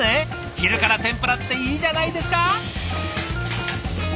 昼から天ぷらっていいじゃないですか！